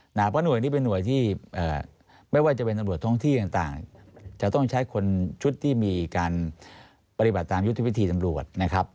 เพราะหน่วยนี้เป็นหน่วยที่ไม่ว่าจะเป็นตำรวจท้องที่ต่างจะต้องใช้คนชุดที่มีการปฏิบัติตามยุทธวิธีตำรวจนะครับ